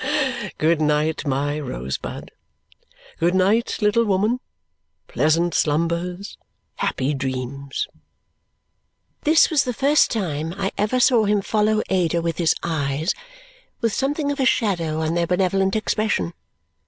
Good night, my rosebud. Good night, little woman. Pleasant slumbers! Happy dreams!" This was the first time I ever saw him follow Ada with his eyes with something of a shadow on their benevolent expression.